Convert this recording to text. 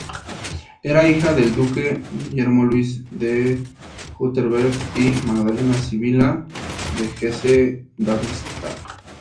Era hija del duque Guillermo Luis de Wurtemberg y Magdalena Sibila de Hesse-Darmstadt.